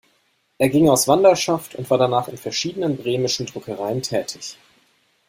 Er ging aus Wanderschaft und war danach in verschieden bremischen Druckereien tätig.